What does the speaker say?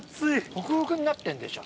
ホクホクになってんでしょ。